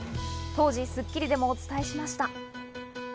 当時『スッキリ』でもお伝えしました。